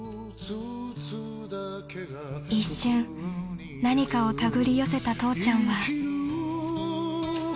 ［一瞬何かを手繰り寄せた父ちゃんは］